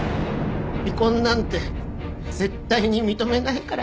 離婚なんて絶対に認めないからな。